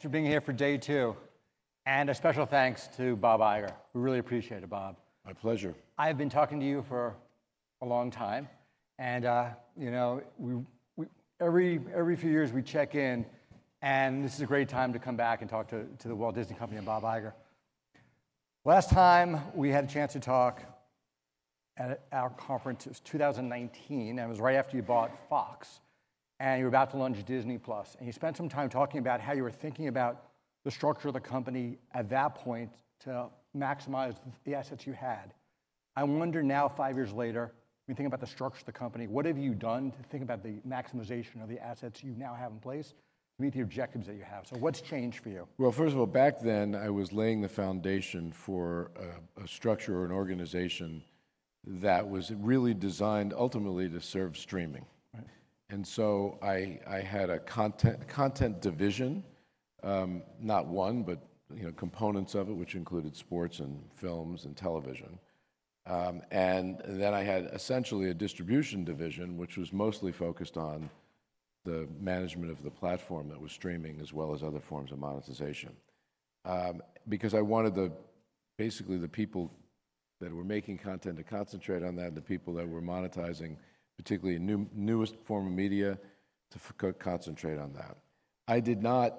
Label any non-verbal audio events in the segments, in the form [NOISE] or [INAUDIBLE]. Thanks for being here for day two, and a special thanks to Bob Iger. We really appreciate it, Bob. My pleasure. I've been talking to you for a long time, and you know, every few years we check in, and this is a great time to come back and talk to the Walt Disney Company and Bob Iger. Last time we had a chance to talk at our conference, it was 2019, and it was right after you bought Fox, and you were about to launch Disney+. You spent some time talking about how you were thinking about the structure of the company at that point to maximize the assets you had. I wonder now, five years later, when you think about the structure of the company, what have you done to think about the maximization of the assets you now have in place to meet the objectives that you have? What's changed for you? Well, first of all, back then, I was laying the foundation for a structure or an organization that was really designed ultimately to serve streaming. Right. I had a content division, not one, but you know components of it, which included sports and films and television. Then I had essentially a distribution division, which was mostly focused on the management of the platform that was streaming, as well as other forms of monetization. Because I wanted basically the people that were making content to concentrate on that, and the people that were monetizing, particularly a newest form of media, to concentrate on that. I did not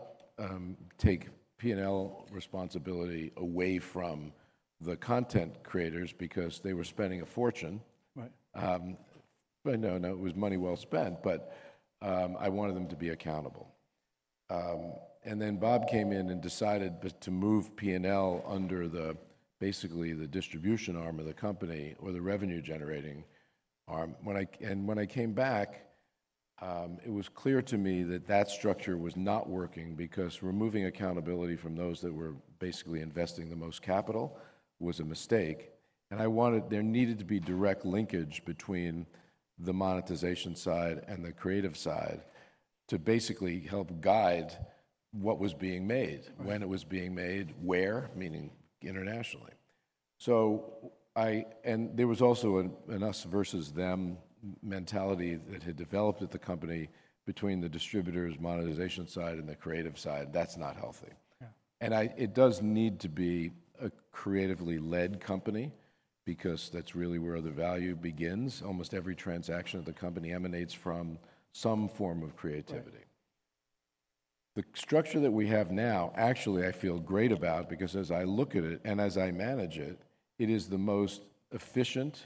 take P&L responsibility away from the content creators because they were spending a fortune. Right. But no, no, it was money well spent, but I wanted them to be accountable. And then Bob came in and decided to move P&L under basically the distribution arm of the company or the revenue-generating arm. When I came back, it was clear to me that that structure was not working because removing accountability from those that were basically investing the most capital was a mistake, and I wanted there needed to be direct linkage between the monetization side and the creative side to basically help guide what was being made. Right... when it was being made, where, meaning internationally. So, and there was also an us versus them mentality that had developed at the company between the distributors, monetization side, and the creative side. That's not healthy. Yeah. It does need to be a creatively led company, because that's really where the value begins. Almost every transaction of the company emanates from some form of creativity. Right. The structure that we have now, actually, I feel great about, because as I look at it, and as I manage it, it is the most efficient,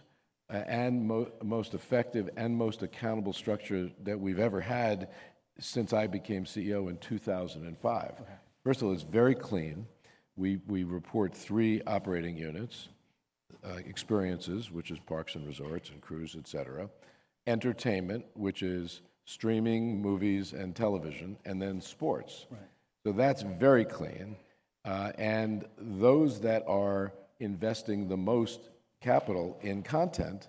and most effective and most accountable structure that we've ever had since I became CEO in 2005. Okay. First of all, it's very clean. We report three operating units: Experiences, which is parks and resorts and cruise, et cetera, Entertainment, which is streaming, movies, and television, and then Sports. Right. That's very clean, and those that are investing the most capital in content,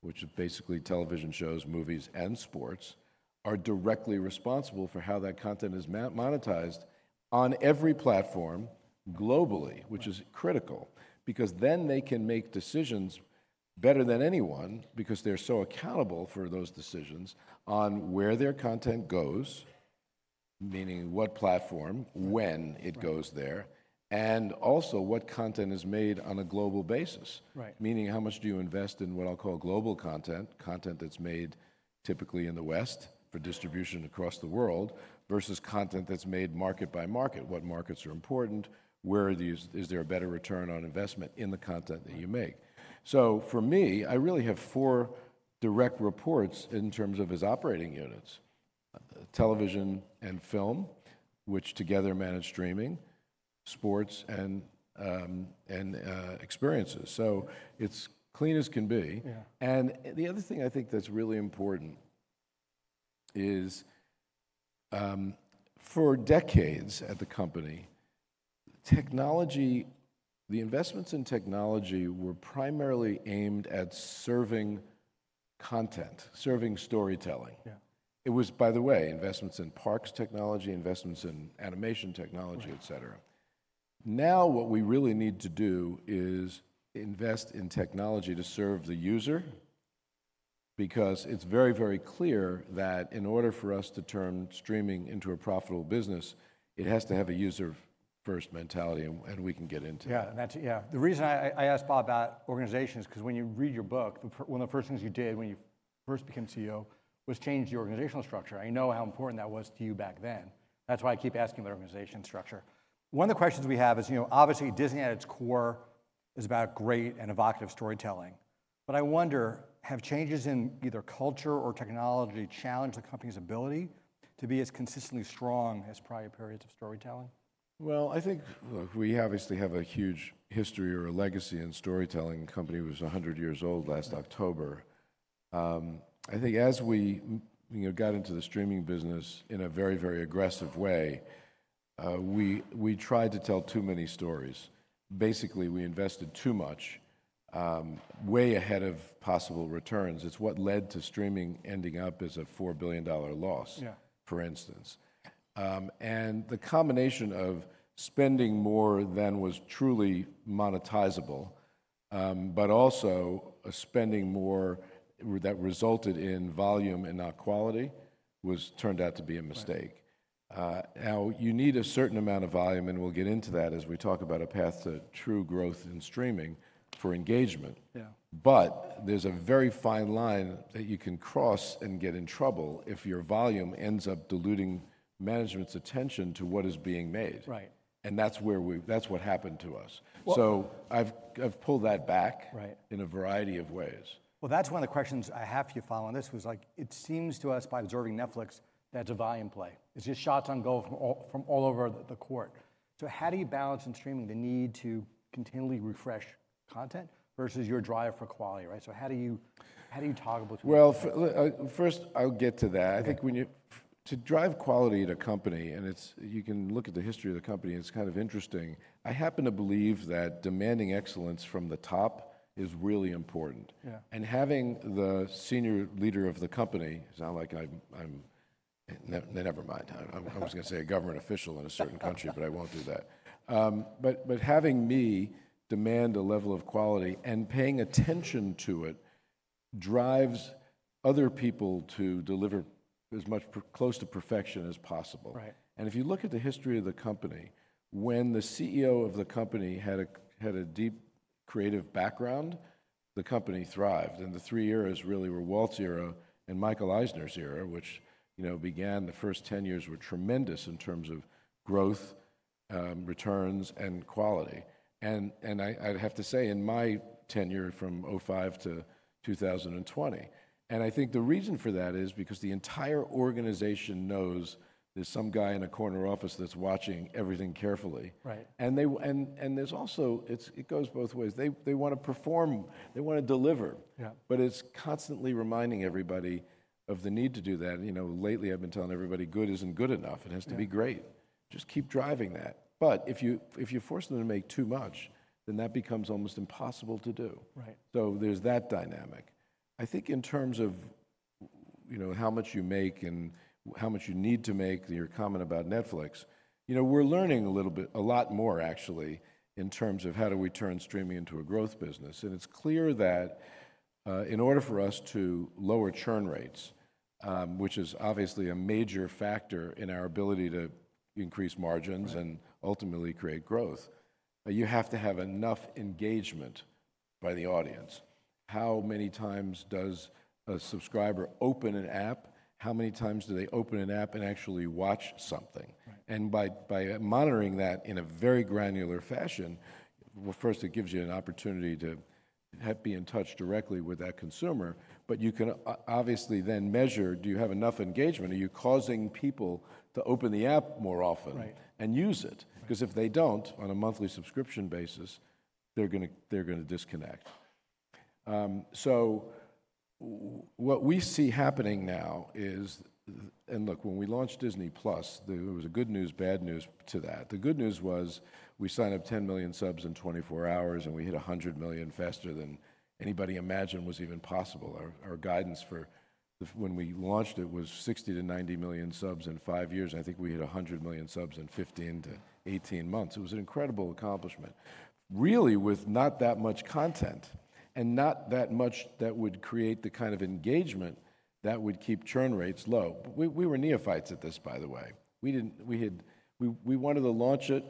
which is basically television shows, movies, and sports, are directly responsible for how that content is monetized on every platform globally. Right... which is critical, because then they can make decisions better than anyone, because they're so accountable for those decisions on where their content goes, meaning what platform- Right... when it goes there, and also what content is made on a global basis. Right. Meaning, how much do you invest in what I'll call global content, content that's made typically in the West for distribution across the world, versus content that's made market by market? What markets are important? Where are these... Is there a better return on investment in the content that you make? So for me, I really have four direct reports in terms of its operating units: television and film, which together manage streaming, sports, and experiences. So it's clean as can be. Yeah. The other thing I think that's really important is, for decades at the company, technology, the investments in technology were primarily aimed at serving content, serving storytelling. Yeah. It was, by the way, investments in parks technology, investments in animation technology, et cetera. Right. Now, what we really need to do is invest in technology to serve the user, because it's very, very clear that in order for us to turn streaming into a profitable business, it has to have a user-first mentality, and we can get into that. Yeah, and that's... Yeah. The reason I asked Bob about organization is 'cause when you read your book, one of the first things you did when you first became CEO was change the organizational structure. I know how important that was to you back then. That's why I keep asking about organization structure. One of the questions we have is, you know, obviously, Disney, at its core, is about great and evocative storytelling. But I wonder, have changes in either culture or technology challenged the company's ability to be as consistently strong as prior periods of storytelling? Well, I think, look, we obviously have a huge history or a legacy in storytelling. The company was 100 years old last October. I think as we, you know, got into the streaming business in a very, very aggressive way, we tried to tell too many stories. Basically, we invested too much, way ahead of possible returns. It's what led to streaming ending up as a $4 billion loss- Yeah... for instance. And the combination of spending more than was truly monetizable, but also spending more that resulted in volume and not quality turned out to be a mistake. Right. Now, you need a certain amount of volume, and we'll get into that as we talk about a path to true growth in streaming for engagement. Yeah. But there's a very fine line that you can cross and get in trouble if your volume ends up diluting management's attention to what is being made. Right. And that's what happened to us. Well- So I've pulled that back- Right... in a variety of ways. Well, that's one of the questions I have for you to follow on this, was like, it seems to us by observing Netflix, that's a volume play. It's just shots on goal from all, from all over the court. So how do you balance in streaming the need to continually refresh content versus your drive for quality, right? So how do you, how do you toggle between the two? Well, first, I'll get to that. Yeah. I think, to drive quality at a company, and it's. You can look at the history of the company, and it's kind of interesting. I happen to believe that demanding excellence from the top is really important. Yeah. Having the senior leader of the company, it's not like I'm—never mind. I was gonna say a government official in a certain country, but I won't do that. But having me demand a level of quality and paying attention to it drives other people to deliver as close to perfection as possible. Right. If you look at the history of the company, when the CEO of the company had a deep creative background, the company thrived, and the three eras really were Walt's era and Michael Eisner's era, which, you know, began the first 10 years were tremendous in terms of growth, returns, and quality. And I'd have to say, in my tenure from 2005 to 2020, and I think the reason for that is because the entire organization knows there's some guy in a corner office that's watching everything carefully. Right. There's also... It goes both ways. They, they wanna perform, they wanna deliver. Yeah. But it's constantly reminding everybody of the need to do that. You know, lately, I've been telling everybody, "Good isn't good enough. It has to be great. Yeah. Just keep driving that. But if you, if you force them to make too much, then that becomes almost impossible to do. Right. So there's that dynamic. I think in terms of, you know, how much you make and how much you need to make, and your comment about Netflix, you know, we're learning a little bit, a lot more actually, in terms of how do we turn streaming into a growth business. And it's clear that, in order for us to lower churn rates, which is obviously a major factor in our ability to increase margins- Right... and ultimately create growth, you have to have enough engagement by the audience. How many times does a subscriber open an app? How many times do they open an app and actually watch something? Right. By monitoring that in a very granular fashion, well, first, it gives you an opportunity to be in touch directly with that consumer, but you can obviously then measure, do you have enough engagement? Are you causing people to open the app more often- Right... and use it? 'Cause if they don't, on a monthly subscription basis, they're gonna disconnect. So what we see happening now is... And look, when we launched Disney+, there was a good news, bad news to that. The good news was, we signed up 10 million subs in 24 hours, and we hit 100 million faster than anybody imagined was even possible. Our guidance for the... when we launched it, was 60-90 million subs in five years, and I think we hit 100 million subs in 15-18 months. It was an incredible accomplishment, really with not that much content, and not that much that would create the kind of engagement that would keep churn rates low. We were neophytes at this, by the way. We didn't. We had... We wanted to launch it,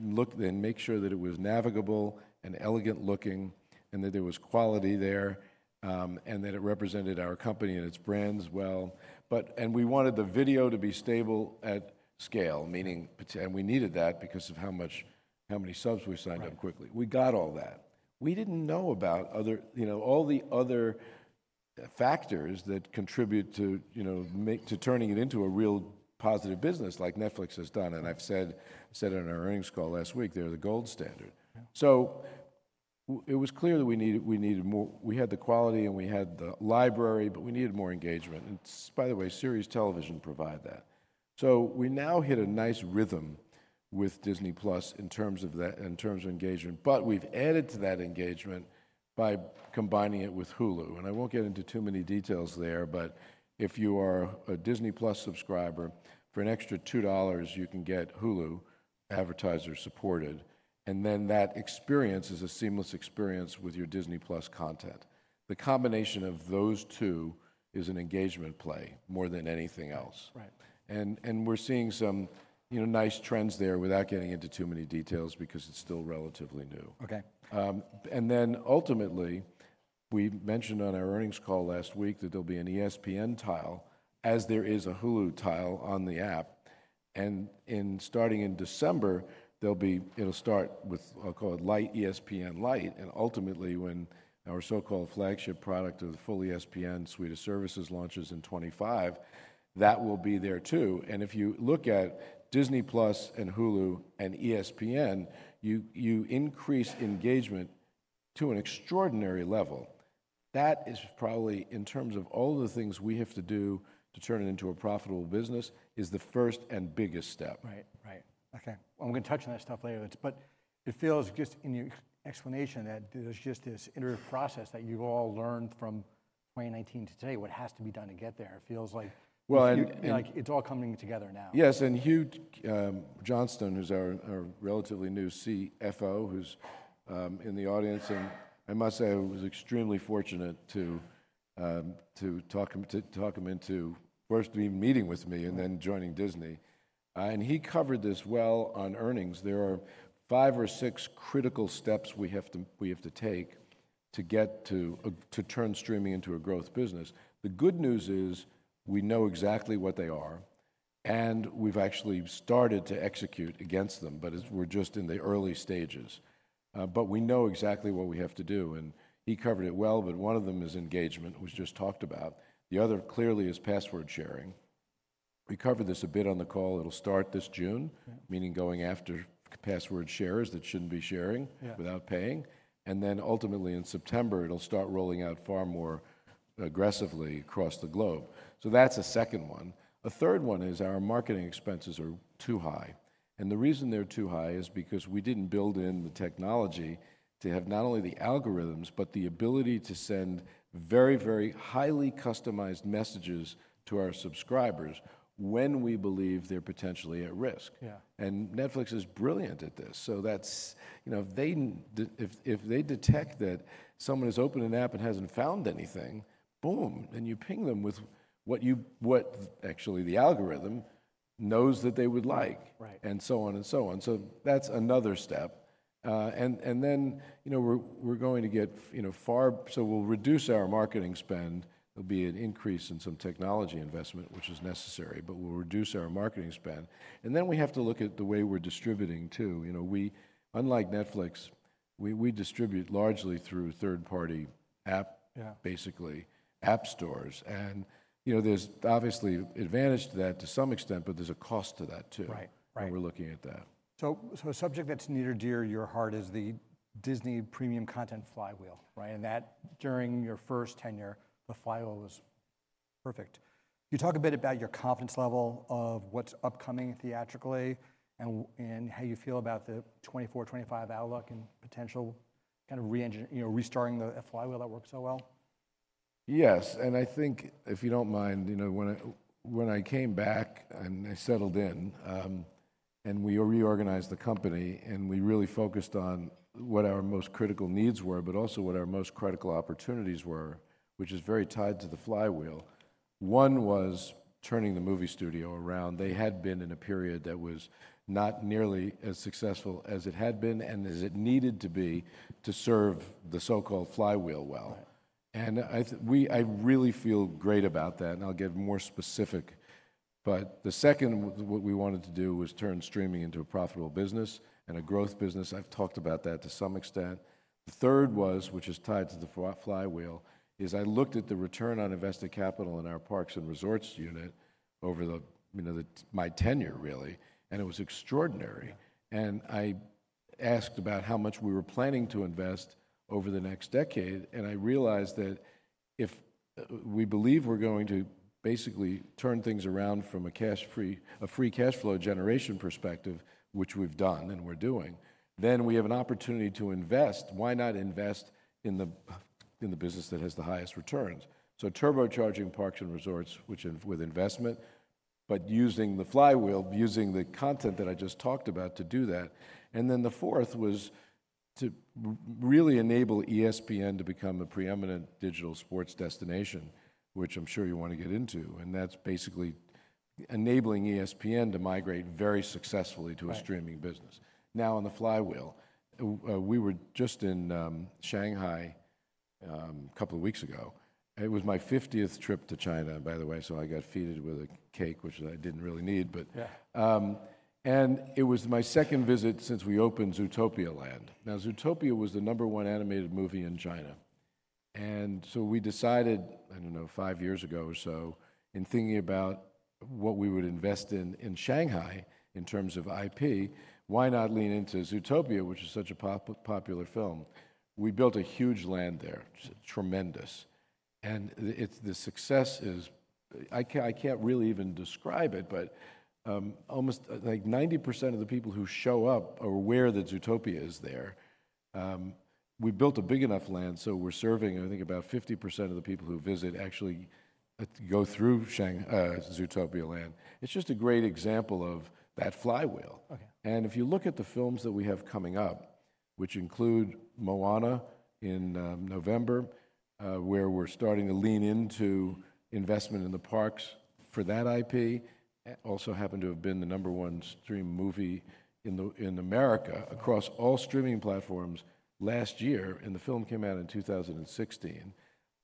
look and make sure that it was navigable and elegant-looking, and that there was quality there, and that it represented our company and its brands well. We wanted the video to be stable at scale, meaning, and we needed that because of how much, how many subs we signed up quickly. Right. We got all that. We didn't know about other, you know, all the other factors that contribute to, you know, to turning it into a real positive business like Netflix has done, and I've said in our earnings call last week, they're the gold standard. Yeah. So it was clear that we needed, we needed more. We had the quality and we had the library, but we needed more engagement, and by the way, series television provide that. We now hit a nice rhythm with Disney+ in terms of that, in terms of engagement, but we've added to that engagement by combining it with Hulu. I won't get into too many details there, but if you are a Disney+ subscriber, for an extra $2, you can get Hulu, advertiser-supported, and then that experience is a seamless experience with your Disney+ content. The combination of those two is an engagement play more than anything else. Right. And we're seeing some, you know, nice trends there, without getting into too many details, because it's still relatively new. Okay. And then ultimately, we mentioned on our earnings call last week that there'll be an ESPN tile, as there is a Hulu tile on the app, and, starting in December, there'll be—it'll start with, I'll call it light, ESPN Light, and ultimately, when our so-called flagship product of the full ESPN suite of services launches in 2025, that will be there, too. And if you look at Disney+ and Hulu and ESPN, you increase engagement to an extraordinary level. That is probably, in terms of all the things we have to do to turn it into a profitable business, the first and biggest step. Right. Right. Okay. Well, I'm gonna touch on that stuff later, but it feels just in your explanation that there's just this iterative process that you've all learned from 2019 to today, what has to be done to get there? It feels like- Well, and, and- Like it's all coming together now. Yes, and Hugh Johnston, who's our relatively new CFO, who's in the audience, and I must say I was extremely fortunate to talk him into first even meeting with me and then joining Disney. He covered this well on earnings. There are five or six critical steps we have to take to turn streaming into a growth business. The good news is we know exactly what they are, and we've actually started to execute against them, but we're just in the early stages. But we know exactly what we have to do, and he covered it well, but one of them is engagement, which was just talked about. The other clearly is password sharing. We covered this a bit on the call. It'll start this June. Yeah... meaning going after password sharers that shouldn't be sharing- Yeah without paying. And then ultimately in September, it'll start rolling out far more aggressively across the globe. So that's a second one. A third one is our marketing expenses are too high, and the reason they're too high is because we didn't build in the technology to have not only the algorithms, but the ability to send very, very highly customized messages to our subscribers when we believe they're potentially at risk. Yeah. Netflix is brilliant at this. So that's... You know, if they detect that someone has opened an app and hasn't found anything, boom! And you ping them with what actually the algorithm knows that they would like. Right. And so on and so on. So that's another step. And then, you know, we're going to get, you know, far... So we'll reduce our marketing spend. There'll be an increase in some technology investment, which is necessary, but we'll reduce our marketing spend. And then we have to look at the way we're distributing, too. You know, we, unlike Netflix, we distribute largely through third-party app- Yeah... basically app stores. And, you know, there's obviously advantage to that to some extent, but there's a cost to that, too. Right. Right. We're looking at that. So, a subject that's near and dear to your heart is the Disney premium content flywheel, right? And that during your first tenure, the flywheel was perfect. Can you talk a bit about your confidence level of what's upcoming theatrically and and how you feel about the 2024, 2025 outlook and potential kind of reengine-- you know, restarting the flywheel that worked so well? Yes, and I think, if you don't mind, you know, when I, when I came back, and I settled in, and we reorganized the company, and we really focused on what our most critical needs were, but also what our most critical opportunities were, which is very tied to the flywheel. One was turning the movie studio around. They had been in a period that was not nearly as successful as it had been and as it needed to be to serve the so-called flywheel well. Right. And I really feel great about that, and I'll get more specific. But the second what we wanted to do was turn streaming into a profitable business and a growth business. I've talked about that to some extent. The third was, which is tied to the flywheel, is I looked at the return on invested capital in our parks and resorts unit over the, you know, my tenure, really, and it was extraordinary. I asked about how much we were planning to invest over the next decade, and I realized that if we believe we're going to basically turn things around from a free cash flow generation perspective, which we've done and we're doing, then we have an opportunity to invest. Why not invest in the business that has the highest returns? So turbocharging parks and resorts, which with investment, but using the flywheel, using the content that I just talked about to do that. And then the fourth was to really enable ESPN to become a preeminent digital sports destination, which I'm sure you want to get into, and that's basically enabling ESPN to migrate very successfully- Right... to a streaming business. Now, on the flywheel, we were just in Shanghai, a couple of weeks ago. It was my fiftieth trip to China, by the way, so I got feted with a cake, which I didn't really need, but- Yeah. And it was my second visit since we opened Zootopia Land. Now, Zootopia was the number one animated movie in China, and so we decided, I don't know, five years ago or so, in thinking about what we would invest in in Shanghai in terms of IP, why not lean into Zootopia, which is such a popular film? We built a huge land there, tremendous, and the success is... I can't really even describe it, but, almost like 90% of the people who show up are aware that Zootopia is there. We built a big enough land, so we're serving, I think, about 50% of the people who visit actually go through Zootopia Land. It's just a great example of that flywheel. Okay. If you look at the films that we have coming up, which include Moana in November, where we're starting to lean into investment in the parks for that IP, also happened to have been the number one streaming movie in America across all streaming platforms last year, and the film came out in 2016.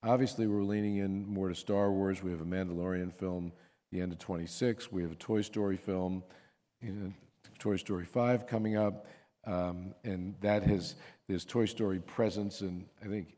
Obviously, we're leaning in more to Star Wars. We have a Mandalorian film, the end of 2026. We have a Toy Story film, you know, Toy Story 5 coming up, and that has this Toy Story presence in, I think,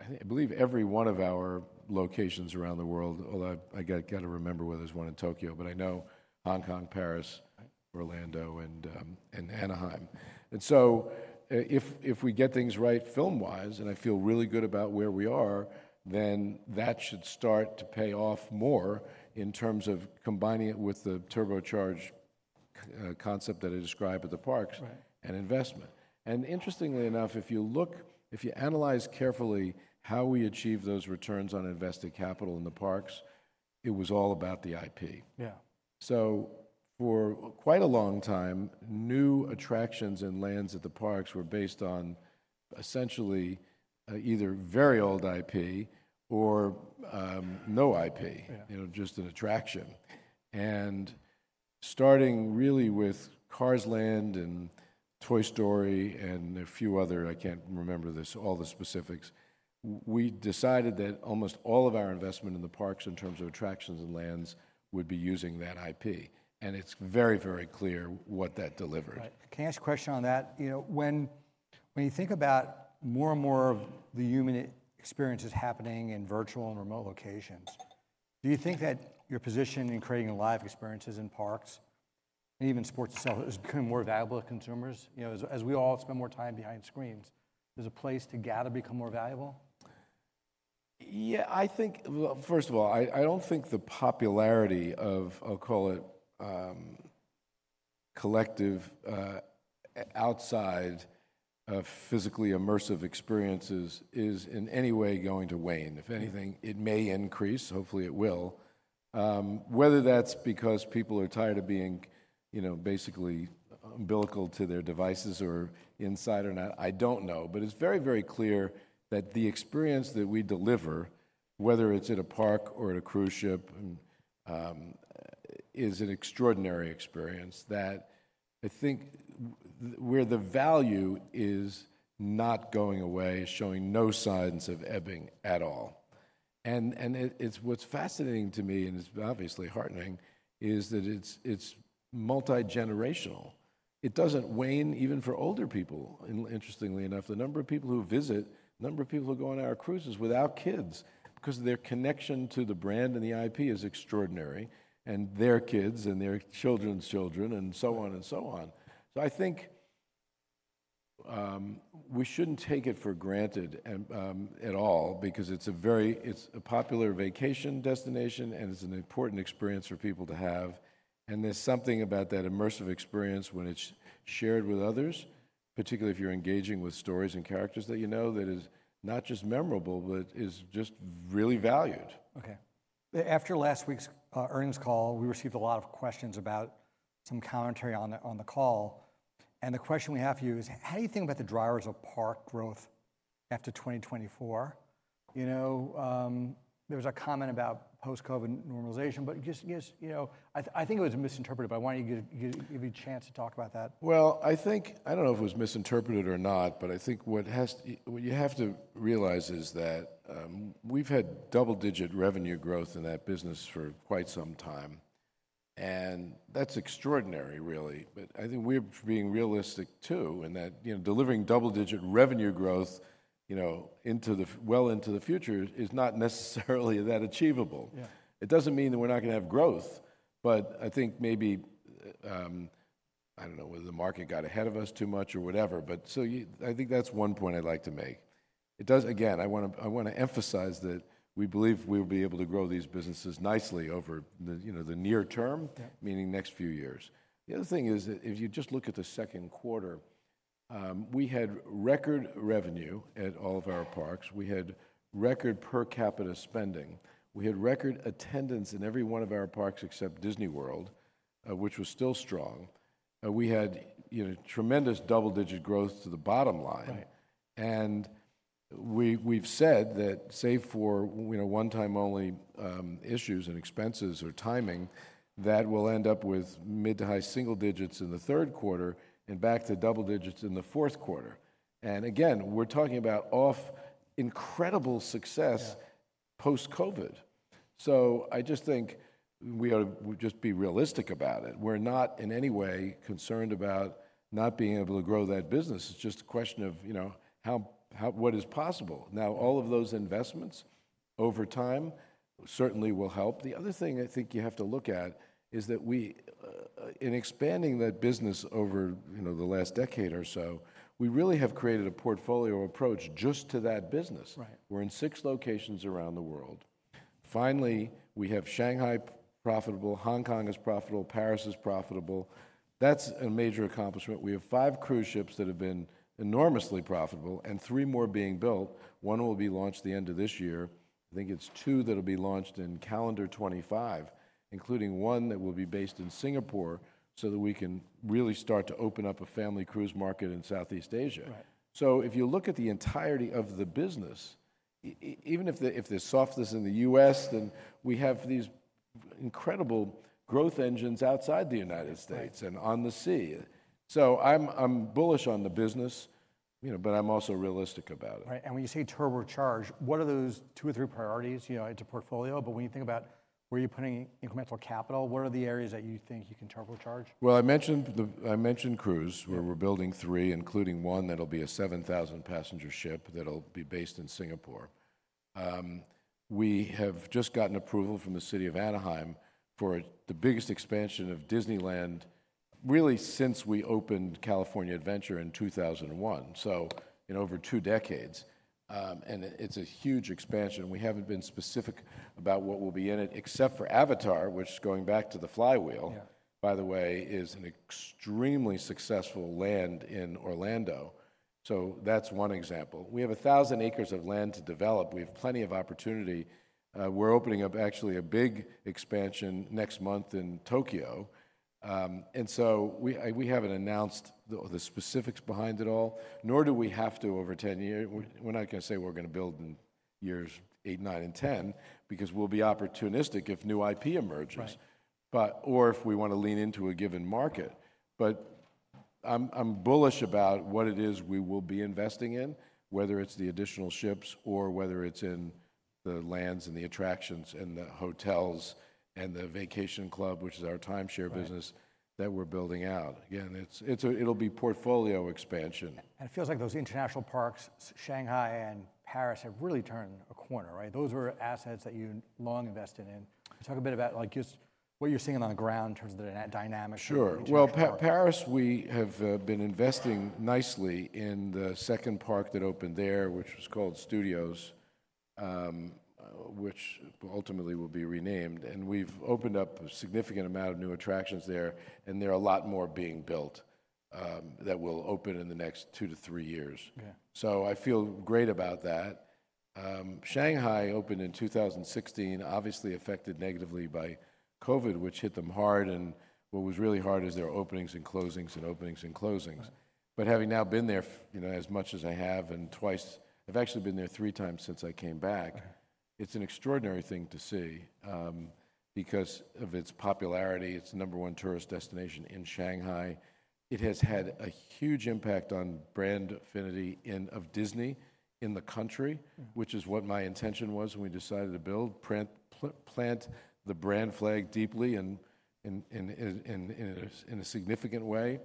I believe every one of our locations around the world, although I got to remember whether there's one in Tokyo, but I know Hong Kong, Paris- Right... Orlando, and, and Anaheim. And so if, if we get things right film-wise, and I feel really good about where we are, then that should start to pay off more in terms of combining it with the turbocharged concept that I described at the parks. Right an investment. Interestingly enough, if you look, if you analyze carefully how we achieve those returns on invested capital in the parks, it was all about the IP. Yeah. So for quite a long time, new attractions and lands at the parks were based on essentially either very old IP or no IP. Yeah. You know, just an attraction. And starting really with Cars Land and Toy Story, and a few other, I can't remember this, all the specifics, we decided that almost all of our investment in the parks, in terms of attractions and lands, would be using that IP, and it's very, very clear what that delivered. Right. Can I ask a question on that? You know, when you think about more and more of the human experiences happening in virtual and remote locations, do you think that your position in creating live experiences in parks, and even sports itself, is becoming more valuable to consumers? You know, as we all spend more time behind screens, does a place to gather become more valuable? Yeah, I think... Well, first of all, I, I don't think the popularity of, I'll call it, collective, outside of physically immersive experiences, is in any way going to wane. If anything, it may increase, hopefully it will. Whether that's because people are tired of being, you know, basically umbilical to their devices or inside or not, I don't know. But it's very, very clear that the experience that we deliver, whether it's at a park or at a cruise ship, and, is an extraordinary experience that I think where the value is not going away, showing no signs of ebbing at all. And it, it's what's fascinating to me, and it's obviously heartening, is that it's multi-generational. It doesn't wane even for older people, interestingly enough. The number of people who visit, the number of people who go on our cruises without kids, because their connection to the brand and the IP is extraordinary, and their kids, and their children's children, and so on and so on. So I think we shouldn't take it for granted at all, because it's a very popular vacation destination, and it's an important experience for people to have, and there's something about that immersive experience when it's shared with others, particularly if you're engaging with stories and characters that you know, that is not just memorable, but is just really valued. Okay. After last week's earnings call, we received a lot of questions about some commentary on the, on the call, and the question we have for you is: how do you think about the drivers of park growth after 2024? You know, there was a comment about post-COVID normalization, but just, just, you know, I, I think it was misinterpreted, but I wanted to give you, give you a chance to talk about that. Well, I think, I don't know if it was misinterpreted or not, but I think what you have to realize is that, we've had double-digit revenue growth in that business for quite some time, and that's extraordinary, really. But I think we're being realistic, too, in that, you know, delivering double-digit revenue growth, you know, into the, well into the future, is not necessarily that achievable. Yeah. It doesn't mean that we're not gonna have growth, but I think maybe, I don't know, whether the market got ahead of us too much, or whatever, but I think that's one point I'd like to make. It does. Again, I wanna, I wanna emphasize that we believe we'll be able to grow these businesses nicely over the, you know, the near term- Yeah... meaning next few years. The other thing is, if you just look at the second quarter, we had record revenue at all of our parks. We had record per capita spending. We had record attendance in every one of our parks except Disney World, which was still strong. We had, you know, tremendous double-digit growth to the bottom line. Right. We've said that, save for, you know, one-time only, issues and expenses or timing, that we'll end up with mid- to high-single digits in the third quarter, and back to double digits in the fourth quarter. And again, we're talking about off incredible success- Yeah post-COVID. So I just think we ought to just be realistic about it. We're not in any way concerned about not being able to grow that business. It's just a question of, you know, how, how, what is possible. Now, all of those investments over time certainly will help. The other thing I think you have to look at is that we, in expanding that business over, you know, the last decade or so, we really have created a portfolio approach just to that business. Right. We're in six locations around the world. Finally, we have Shanghai profitable, Hong Kong is profitable, Paris is profitable. That's a major accomplishment. We have five cruise ships that have been enormously profitable, and three more being built. One will be launched the end of this year. I think it's two that'll be launched in calendar 2025, including one that will be based in Singapore, so that we can really start to open up a family cruise market in Southeast Asia. Right. So if you look at the entirety of the business, even if there's softness in the U.S., then we have these incredible growth engines outside the United States- Right... and on the sea. So I'm bullish on the business, you know, but I'm also realistic about it. Right, and when you say turbocharge, what are those two or three priorities? You know, it's a portfolio, but when you think about where you're putting incremental capital, what are the areas that you think you can turbocharge? Well, I mentioned cruise- Yeah... where we're building three, including one that'll be a 7,000-passenger ship that'll be based in Singapore. We have just gotten approval from the city of Anaheim for the biggest expansion of Disneyland, really since we opened California Adventure in 2001, so in over two decades. And it, it's a huge expansion, and we haven't been specific about what will be in it, except for Avatar, which going back to the flywheel- Yeah - by the way, is an extremely successful land in Orlando. So that's one example. We have 1,000 acres of land to develop. We have plenty of opportunity. We're opening up, actually, a big expansion next month in Tokyo. And so we haven't announced the specifics behind it all, nor do we have to over ten year—we're not gonna say we're gonna build in years eight, nine, and 10, because we'll be opportunistic if new IP emerges- Right. but or if we want to lean into a given market. But I'm, I'm bullish about what it is we will be investing in, whether it's the additional ships or whether it's in the lands, and the attractions, and the hotels, and the vacation club, which is our timeshare business. Right. that we're building out. Again, it's, it's a, it'll be portfolio expansion. It feels like those international parks, Shanghai and Paris, have really turned a corner, right? Those were assets that you long invested in. Talk a bit about, like, just what you're seeing on the ground in terms of the dynamic- Sure. -of the international park. Well, Paris, we have been investing nicely in the second park that opened there, which was called Studios, which ultimately will be renamed, and we've opened up a significant amount of new attractions there, and there are a lot more being built that will open in the next two to three years. Yeah. I feel great about that. Shanghai opened in 2016, obviously affected negatively by COVID, which hit them hard, and what was really hard is there were openings and closings, and openings and closings. Right. But having now been there, you know, as much as I have, and twice... I've actually been there three times since I came back- Right. -it's an extraordinary thing to see, because of its popularity. It's the number one tourist destination in Shanghai. It has had a huge impact on brand affinity in, of Disney in the country- Mm. -which is what my intention was when we decided to plant the brand flag deeply in a significant way.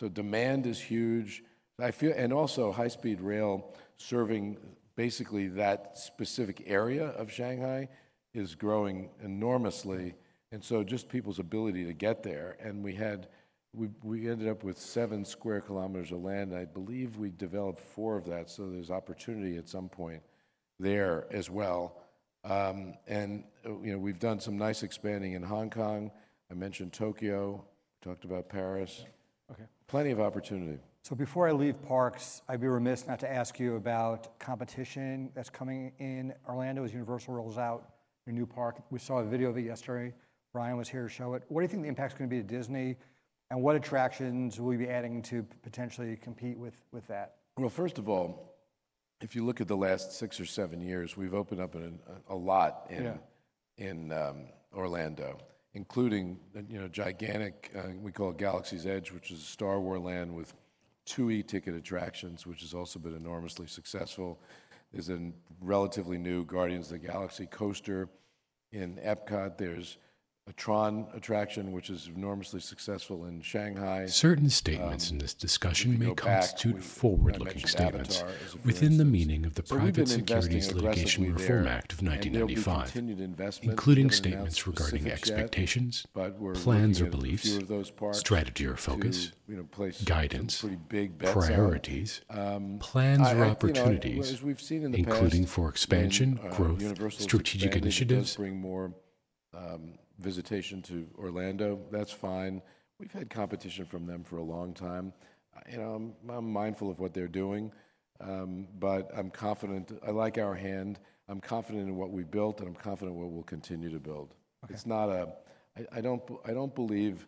So demand is huge. I feel and also, high-speed rail serving basically that specific area of Shanghai is growing enormously, and so just people's ability to get there, and we ended up with seven square kilometers of land, and I believe we developed four of that, so there's opportunity at some point there as well. You know, we've done some nice expanding in Hong Kong. I mentioned Tokyo, talked about Paris. Yeah. Okay. Plenty of opportunity. So before I leave parks, I'd be remiss not to ask you about competition that's coming in Orlando as Universal rolls out a new park. We saw a video of it yesterday. Brian was here to show it. What do you think the impact's going to be to Disney, and what attractions will you be adding to potentially compete with that? Well, first of all, if you look at the last six or seven years, we've opened up a lot in- Yeah... in Orlando, including, you know, gigantic, we call it Galaxy's Edge, which is a Star Wars land with two E-ticket attractions, which has also been enormously successful. There's a relatively new Guardians of the Galaxy coaster in Epcot. There's a TRON attraction, which is enormously successful in Shanghai. Mm. If you go back, I mentioned Avatar, as a for instance. Right. We've been investing aggressively there, and there'll be continued investments. Right. We haven't announced specifics yet, but we're looking at a few of those parks- Right... to, you know, place some pretty big bets on. Right... I, you know, as we've seen in the past, when Universal is expanding, it does bring more visitation to Orlando. That's fine. We've had competition from them for a long time. You know, I'm mindful of what they're doing, but I'm confident. I like our hand. I'm confident in what we've built, and I'm confident in what we'll continue to build. Okay. It's not a... I don't believe,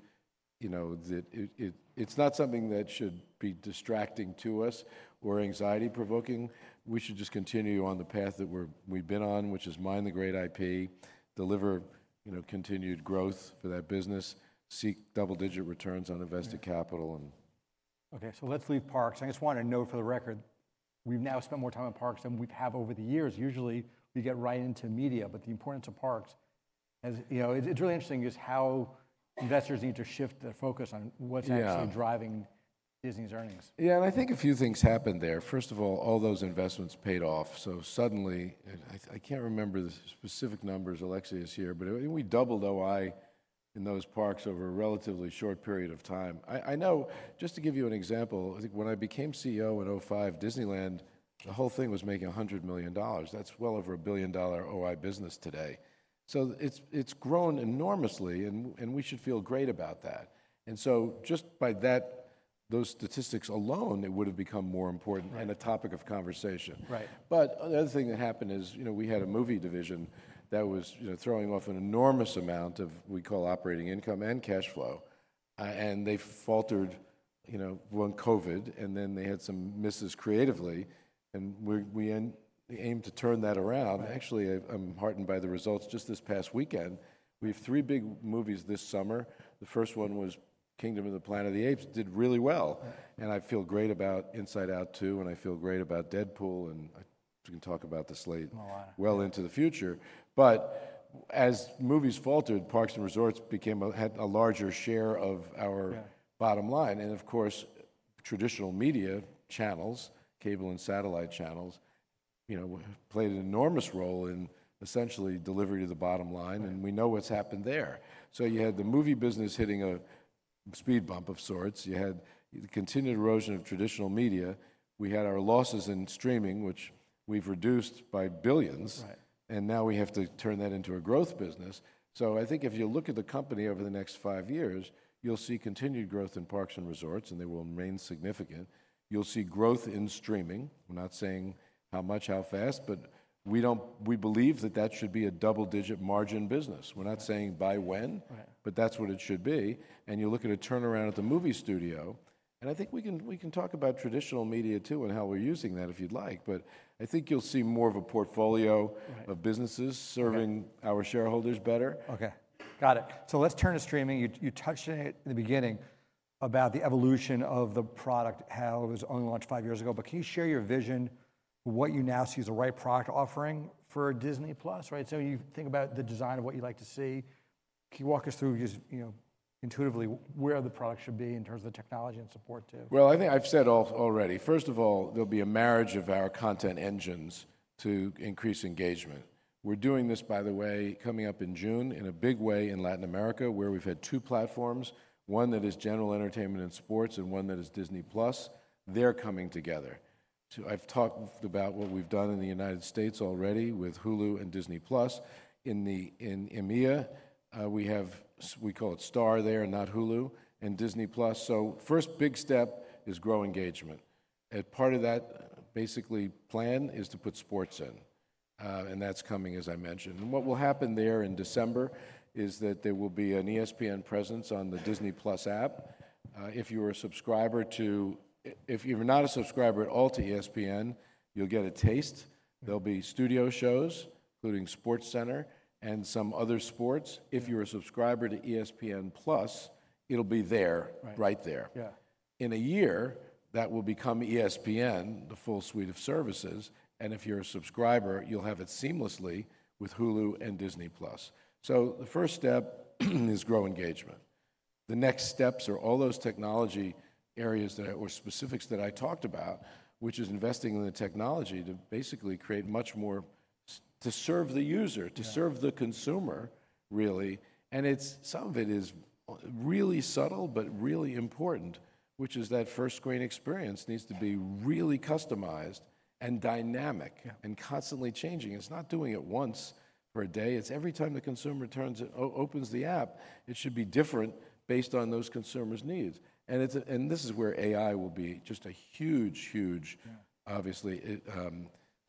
you know, that it, it's not something that should be distracting to us or anxiety-provoking. We should just continue on the path that we've been on, which is mine the great IP, deliver, you know, continued growth for that business, seek double-digit returns on invested capital, and- Okay, so let's leave parks. I just want to note for the record, we've now spent more time on parks than we have over the years. Usually, we get right into media, but the importance of parks, as you know, it's really interesting just how investors need to shift their focus on what's- Yeah... actually driving Disney's earnings. Yeah, and I think a few things happened there. First of all, all those investments paid off, so suddenly, and I, I can't remember the specific numbers, Alexia is here, but I think we doubled OI in those parks over a relatively short period of time. I, I know, just to give you an example, I think when I became CEO in 2005, Disneyland, the whole thing was making $100 million. That's well over a billion-dollar OI business today. So it's, it's grown enormously, and, and we should feel great about that. And so just by that, those statistics alone, it would've become more important- Right... and a topic of conversation. Right. But another thing that happened is, you know, we had a movie division that was, you know, throwing off an enormous amount of, we call operating income and cash flow, and they faltered, you know, during COVID, and then they had some misses creatively, and we're aiming to turn that around. Right. Actually, I'm heartened by the results just this past weekend. We have three big movies this summer. The first one was Kingdom of the Planet of the Apes, did really well. Right. I feel great about Inside Out 2, and I feel great about Deadpool, and I, we can talk about the slate- A lot... well into the future. But as movies faltered, parks and resorts had a larger share of our- Yeah... bottom line, and of course, traditional media channels, cable and satellite channels, you know, played an enormous role in essentially delivery to the bottom line, and we know what's happened there. So you had the movie business hitting a speed bump of sorts. You had the continued erosion of traditional media. We had our losses in streaming, which we've reduced by billions. Right. Now we have to turn that into a growth business. I think if you look at the company over the next five years, you'll see continued growth in parks and resorts, and they will remain significant. You'll see growth in streaming. I'm not saying how much, how fast, but we don't, we believe that that should be a double-digit margin business. Right. We're not saying by when- Right. but that's what it should be, and you're looking at a turnaround at the movie studio, and I think we can, we can talk about traditional media, too, and how we're using that, if you'd like. But I think you'll see more of a portfolio- Right... of businesses serving- Yeah our shareholders better. Okay, got it. So let's turn to streaming. You touched on it in the beginning about the evolution of the product, how it was only launched five years ago, but can you share your vision, what you now see as the right product offering for Disney+, right? So you think about the design of what you'd like to see. Can you walk us through just, you know, intuitively, where the product should be in terms of the technology and support, too? Well, I think I've said already, first of all, there'll be a marriage of our content engines to increase engagement. We're doing this, by the way, coming up in June, in a big way in Latin America, where we've had two platforms, one that is general entertainment and sports, and one that is Disney+. They're coming together. So I've talked about what we've done in the United States already with Hulu and Disney+. In EMEA, we have we call it Star there, and not Hulu, and Disney+. So first big step is grow engagement, and part of that, basically, plan is to put sports in. And that's coming, as I mentioned. And what will happen there in December is that there will be an ESPN presence on the Disney+ app. If you're a subscriber to... If you're not a subscriber at all to ESPN, you'll get a taste. There'll be studio shows, including SportsCenter, and some other sports. If you're a subscriber to ESPN+, it'll be there- Right. -right there. Yeah. In a year, that will become ESPN, the full suite of services, and if you're a subscriber, you'll have it seamlessly with Hulu and Disney+. So the first step is grow engagement. The next steps are all those technology areas that, or specifics that I talked about, which is investing in the technology to basically create much more to serve the user- Yeah... to serve the consumer, really. And it's some of it is really subtle, but really important, which is that first screen experience needs to be really customized and dynamic- Yeah... and constantly changing. It's not doing it once for a day, it's every time the consumer turns it on, opens the app, it should be different based on those consumers' needs. And it's and this is where AI will be just a huge, huge- Yeah... obviously, it's an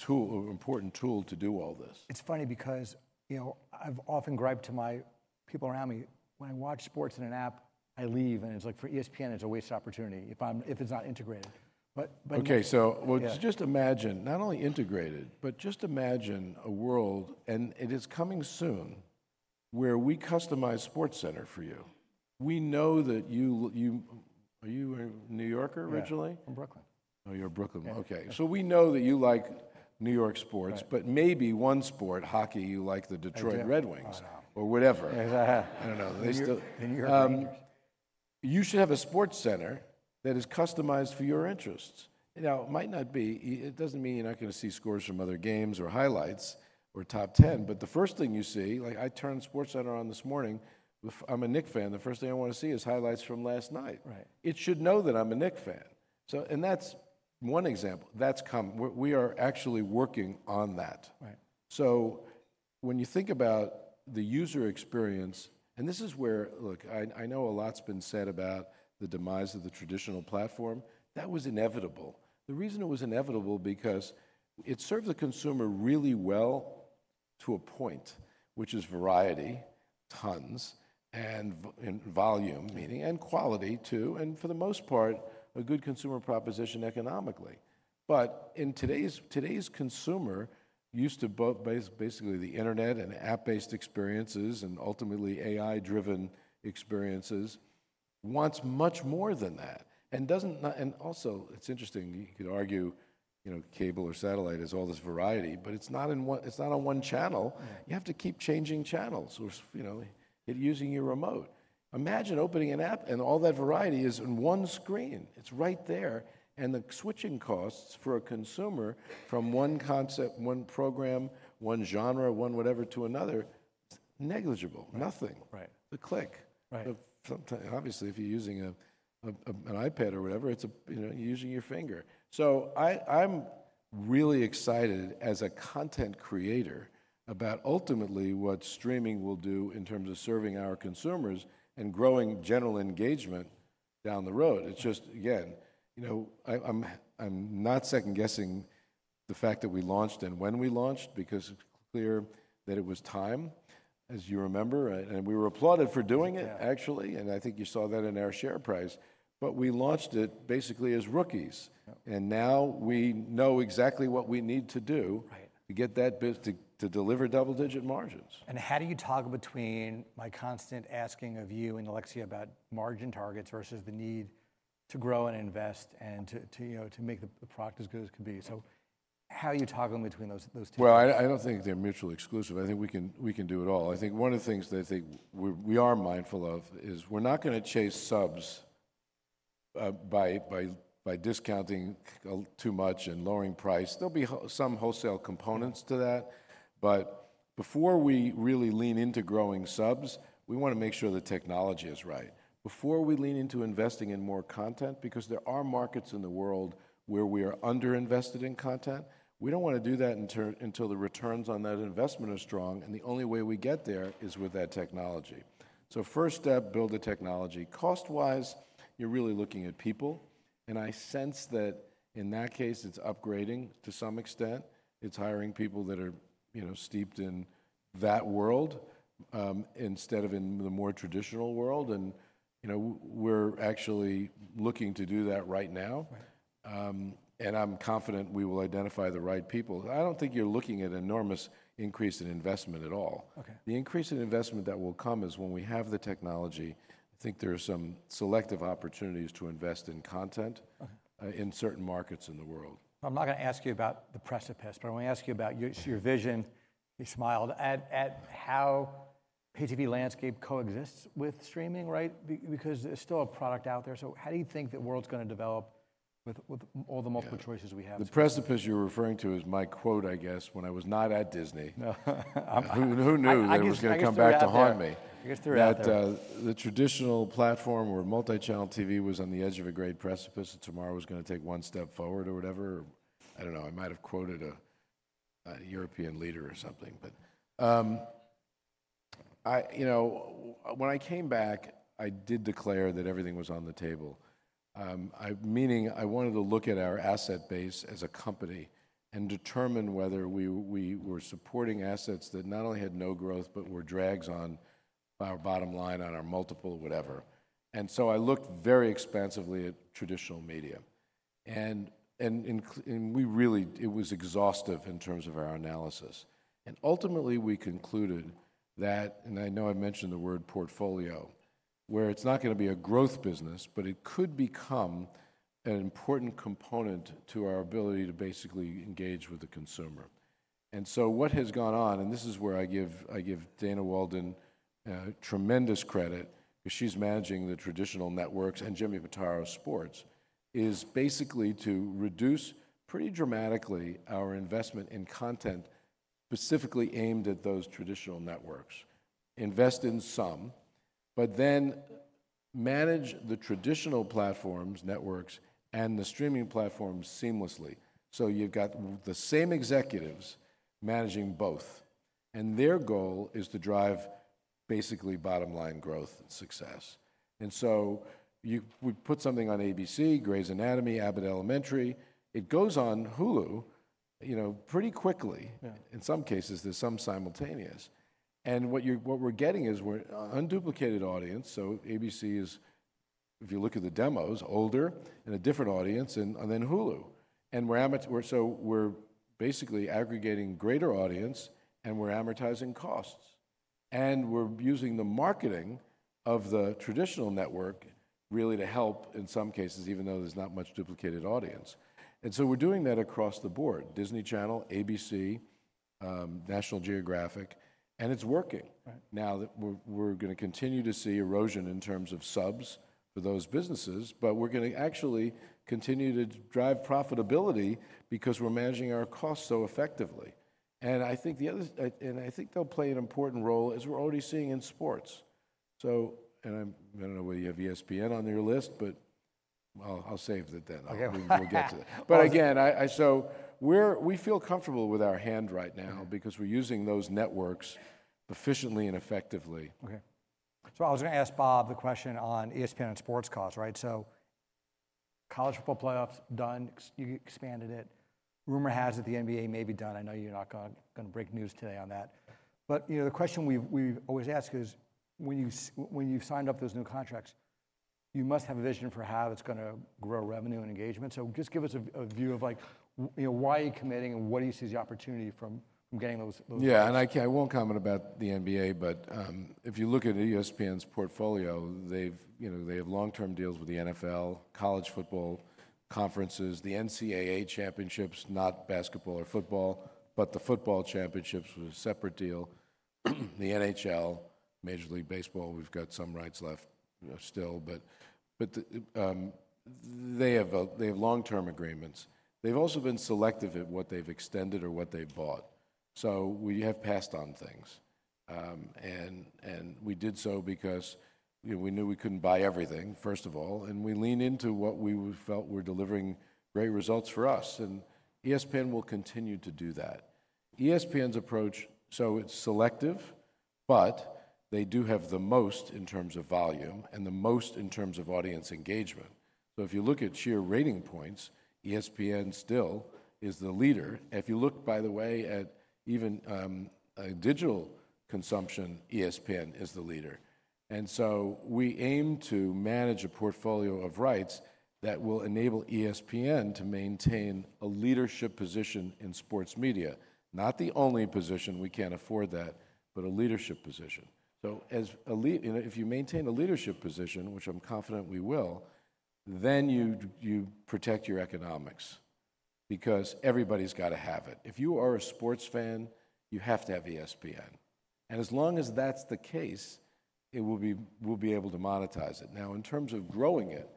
important tool to do all this. It's funny because, you know, I've often griped to my people around me, when I watch sports in an app, I leave, and it's like, for ESPN, it's a wasted opportunity if it's not integrated. But, but- Okay, so- Yeah... well, just imagine, not only integrated, but just imagine a world, and it is coming soon, where we customize SportsCenter for you. We know that you, you, are you a New Yorker originally? Yeah, from Brooklyn. Oh, you're a Brooklyn... Yeah. Okay, so we know that you like New York sports- Right... but maybe one sport, hockey, you like the Detroit Red Wings- I don't. Oh, no. or whatever. I don't know, they still- [CROSSTALK] The New York Rangers. You should have a SportsCenter that is customized for your interests. Now, it might not be, it doesn't mean you're not gonna see scores from other games or highlights or top ten, but the first thing you see, like, I turned SportsCenter on this morning, if I'm a Knick fan, the first thing I want to see is highlights from last night. Right. It should know that I'm a Knicks fan. So, and that's one example. That's coming. We are actually working on that. Right. So when you think about the user experience, and this is where... Look, I know a lot's been said about the demise of the traditional platform. That was inevitable. The reason it was inevitable, because it served the consumer really well to a point, which is variety, tons, and volume, meaning, and quality, too, and for the most part, a good consumer proposition economically. But in today's consumer, used to basically the internet and app-based experiences, and ultimately AI-driven experiences, wants much more than that, and doesn't and also, it's interesting, you could argue, you know, cable or satellite has all this variety, but it's not in one, it's not on one channel. Right. You have to keep changing channels or, you know, and using your remote. Imagine opening an app, and all that variety is in one screen. It's right there, and the switching costs for a consumer from one concept, one program, one genre, one whatever to another; it's negligible. Right. Nothing. Right. The click. Right. Obviously, if you're using an iPad or whatever, it's, you know, you're using your finger. So I'm really excited as a content creator about ultimately what streaming will do in terms of serving our consumers and growing general engagement down the road. Right. It's just, again, you know, I'm not second-guessing the fact that we launched and when we launched, because it's clear that it was time, as you remember, and we were applauded for doing it- Yeah... actually, and I think you saw that in our share price. But we launched it basically as rookies. Yeah. Now we know exactly what we need to do. Right... to get that to deliver double-digit margins. How do you toggle between my constant asking of you and Alexia about margin targets versus the need to grow and invest and to you know to make the product as good as it can be? So how are you toggling between those two? Well, I don't think they're mutually exclusive. I think we can do it all. I think one of the things that we're mindful of is we're not gonna chase subs by discounting too much and lowering price. There'll be some wholesale components to that, but before we really lean into growing subs, we wanna make sure the technology is right. Before we lean into investing in more content, because there are markets in the world where we are under-invested in content, we don't wanna do that until the returns on that investment are strong, and the only way we get there is with that technology. So first step, build the technology. Cost-wise, you're really looking at people, and I sense that in that case, it's upgrading to some extent. It's hiring people that are, you know, steeped in that world, instead of in the more traditional world, and, you know, we're actually looking to do that right now. Right. I'm confident we will identify the right people. I don't think you're looking at enormous increase in investment at all. Okay. The increase in investment that will come is when we have the technology. I think there are some selective opportunities to invest in content- Uh-huh... in certain markets in the world. I'm not gonna ask you about the precipice, but I wanna ask you about your vision you smiled at how pay TV landscape coexists with streaming, right? Because there's still a product out there, so how do you think the world's gonna develop with all the multiple choices we have? The precipice you're referring to is my quote, I guess, when I was not at Disney. No, I guess- Who, who knew it was gonna come back to haunt me? I guess threw it out there. That, the traditional platform or multi-channel TV was on the edge of a great precipice, and tomorrow was gonna take one step forward or whatever. I don't know, I might have quoted a European leader or something. But, I... You know, when I came back, I did declare that everything was on the table. I, meaning I wanted to look at our asset base as a company, and determine whether we were supporting assets that not only had no growth, but were drags on our bottom line, on our multiple, whatever. And so I looked very expansively at traditional media, and we really... It was exhaustive in terms of our analysis, and ultimately, we concluded that, and I know I've mentioned the word portfolio, where it's not gonna be a growth business, but it could become an important component to our ability to basically engage with the consumer. And so what has gone on, and this is where I give, I give Dana Walden, tremendous credit, because she's managing the traditional networks, and Jimmy Pitaro, sports, is basically to reduce pretty dramatically our investment in content specifically aimed at those traditional networks. Invest in some, but then manage the traditional platforms, networks, and the streaming platforms seamlessly. So you've got the same executives managing both, and their goal is to drive basically bottom line growth and success. And so you- we put something on ABC, Grey's Anatomy, Abbott Elementary, it goes on Hulu, you know, pretty quickly. Yeah. In some cases, there's some simultaneous. What you're—what we're getting is we're unduplicated audience, so ABC is, if you look at the demos, older and a different audience than Hulu. We're amortizing, so we're basically aggregating greater audience, and we're amortizing costs, and we're using the marketing of the traditional network really to help in some cases, even though there's not much duplicated audience. So we're doing that across the board, Disney Channel, ABC, National Geographic, and it's working. Right. Now that we're gonna continue to see erosion in terms of subs for those businesses, but we're gonna actually continue to drive profitability because we're managing our costs so effectively. And I think they'll play an important role, as we're already seeing in sports. And I don't know whether you have ESPN on your list, but I'll save that then. Okay. We'll get to that. Well- But again, so we feel comfortable with our hand right now. Right... because we're using those networks efficiently and effectively. Okay. So I was gonna ask Bob the question on ESPN and sports costs, right? So College Football Playoffs, done, you expanded it. Rumor has it the NBA may be done. I know you're not gonna break news today on that. But, you know, the question we've always asked is, when you signed up those new contracts, you must have a vision for how that's gonna grow revenue and engagement. So just give us a view of, like, you know, why are you committing, and what do you see as the opportunity from getting those rights? Yeah, and I can't. I won't comment about the NBA, but if you look at ESPN's portfolio, they've, you know, they have long-term deals with the NFL, college football, conferences, the NCAA championships, not basketball or football, but the football championships was a separate deal. The NHL, Major League Baseball, we've got some rights left, you know, still, but the. They have a, they have long-term agreements. They've also been selective in what they've extended or what they've bought, so we have passed on things. And we did so because, you know, we knew we couldn't buy everything, first of all, and we leaned into what we felt were delivering great results for us, and ESPN will continue to do that. ESPN's approach, so it's selective, but they do have the most in terms of volume, and the most in terms of audience engagement. So if you look at sheer rating points, ESPN still is the leader. If you look, by the way, at even digital consumption, ESPN is the leader. And so we aim to manage a portfolio of rights that will enable ESPN to maintain a leadership position in sports media. Not the only position, we can't afford that, but a leadership position. So you know, if you maintain a leadership position, which I'm confident we will, then you protect your economics.... because everybody's gotta have it. If you are a sports fan, you have to have ESPN, and as long as that's the case, it will be-- we'll be able to monetize it. Now, in terms of growing it,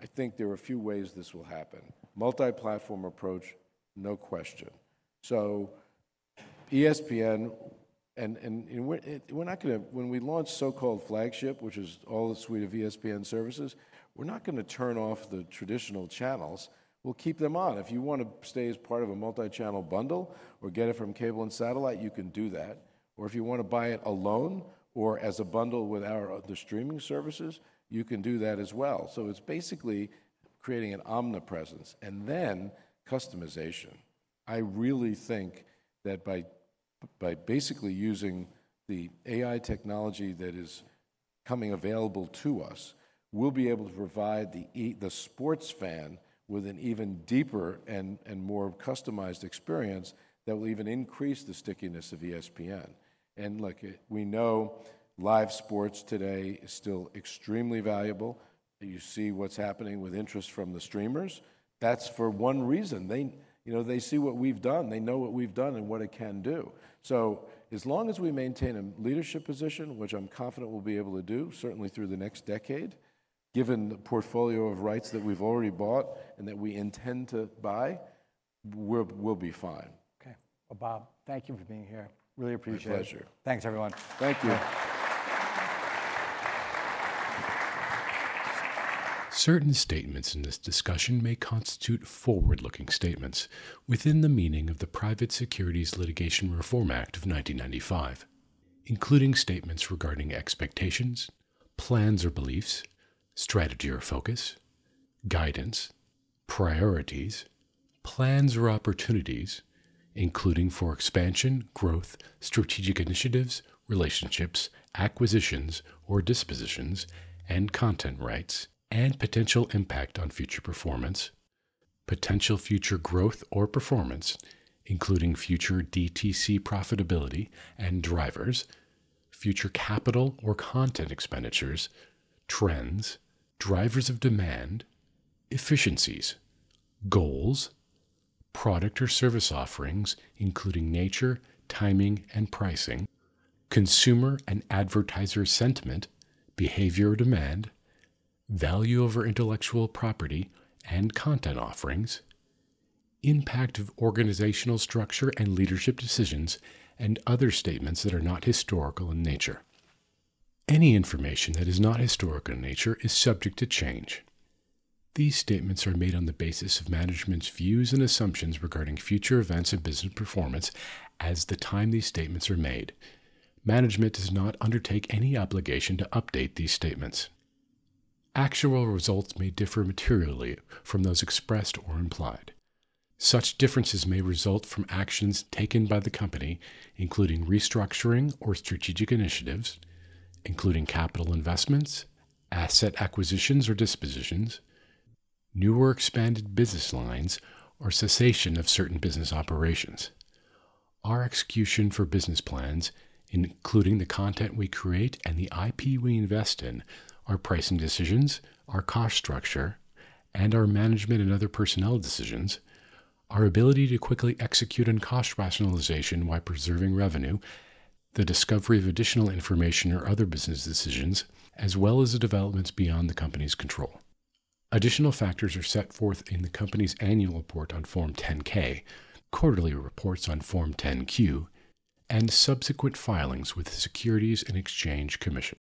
I think there are a few ways this will happen. Multi-platform approach, no question. So ESPN, we're not gonna. When we launch so-called Flagship, which is all the suite of ESPN services, we're not gonna turn off the traditional channels. We'll keep them on. If you wanna stay as part of a multi-channel bundle or get it from cable and satellite, you can do that. Or if you wanna buy it alone or as a bundle with our other streaming services, you can do that as well. So it's basically creating an omnipresence, and then customization. I really think that by basically using the AI technology that is becoming available to us, we'll be able to provide the sports fan with an even deeper and more customized experience that will even increase the stickiness of ESPN. And look, we know live sports today is still extremely valuable. You see what's happening with interest from the streamers. That's for one reason. They, you know, they see what we've done, they know what we've done and what it can do. So as long as we maintain a leadership position, which I'm confident we'll be able to do, certainly through the next decade, given the portfolio of rights that we've already bought and that we intend to buy, we're, we'll be fine. Okay. Well, Bob, thank you for being here. Really appreciate it. My pleasure. Thanks, everyone. Thank you. Certain statements in this discussion may constitute forward-looking statements within the meaning of the Private Securities Litigation Reform Act of 1995, including statements regarding expectations, plans or beliefs, strategy or focus, guidance, priorities, plans or opportunities, including for expansion, growth, strategic initiatives, relationships, acquisitions, or dispositions and content rights, and potential impact on future performance, potential future growth or performance, including future DTC profitability and drivers, future capital or content expenditures, trends, drivers of demand, efficiencies, goals, product or service offerings, including nature, timing, and pricing, consumer and advertiser sentiment, behavior, or demand, value of our intellectual property and content offerings, impact of organizational structure and leadership decisions, and other statements that are not historical in nature. Any information that is not historical in nature is subject to change. These statements are made on the basis of management's views and assumptions regarding future events and business performance as of the time these statements are made. Management does not undertake any obligation to update these statements. Actual results may differ materially from those expressed or implied. Such differences may result from actions taken by the Company, including restructuring or strategic initiatives, including capital investments, asset acquisitions or dispositions, new or expanded business lines, or cessation of certain business operations. Our execution for business plans, including the content we create and the IP we invest in, our pricing decisions, our cost structure, and our management and other personnel decisions, our ability to quickly execute on cost rationalization while preserving revenue, the discovery of additional information or other business decisions, as well as the developments beyond the Company's control. Additional factors are set forth in the Company's annual report on Form 10-K, quarterly reports on Form 10-Q, and subsequent filings with the Securities and Exchange Commission.